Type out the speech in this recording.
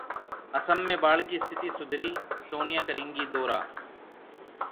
असम में बाढ़ की स्थिति सुधरी, सोनिया करेंगी दौरा